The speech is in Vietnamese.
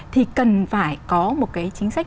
thì cần phải có một cái chính sách